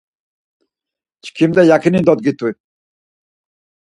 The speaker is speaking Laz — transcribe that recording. Çkimda yakini dodgiti.